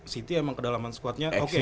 siti emang kedalaman squadnya oke ya